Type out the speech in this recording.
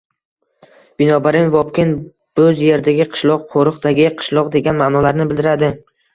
Binobarin, Vobkent – «bo‘z yerdagi qishloq », «qo‘riqdagi qishloq » degan ma’nolarni bildiradi.